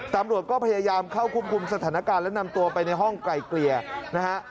ตำรวจก็พยายามเข้าควบคุมสถานการณ์และนำตัวไปในห้องไกลเกลี่ยนะฮะ